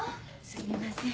すいません。